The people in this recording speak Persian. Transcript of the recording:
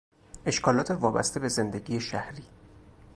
اشکالات وابسته به زندگی شهری